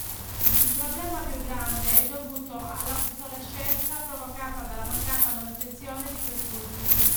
Il problema più grande è dovuto all’obsolescenza provocata dalla mancata manutenzione di quest’ultimi.